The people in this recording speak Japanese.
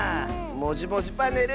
「もじもじパネル」